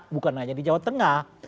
bukan hanya di jawa tengah